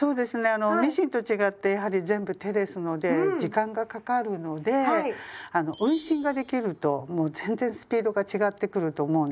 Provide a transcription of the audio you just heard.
あのミシンと違ってやはり全部手ですので時間がかかるのであの運針ができるともう全然スピードが違ってくると思うんですね。